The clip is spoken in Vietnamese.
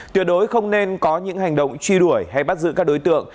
tuyệt đối không nên có những hành động truy đuổi hay bắt giữ các đối tượng